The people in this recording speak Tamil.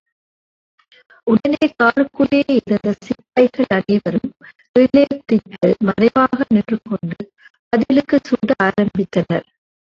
உடனே காருக்குள்ளேயிருந்த சிப்பாய்கள் அனைவரும் கீழே குதித்து மறைவாக நின்று கொண்டு பதிலுக்குச் சுட ஆரம்பித்தனர்.